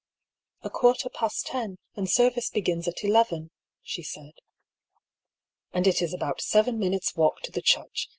" A quarter past ten, and service begins at eleven," she said. " And it is about seven minutes' walk to the church.